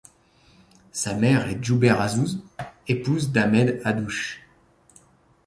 Sa mère est Djouber Azzouz, épouse d'Ahmed Haddouche.